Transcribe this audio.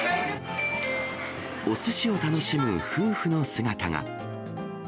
おすしを楽しむ夫婦の姿が。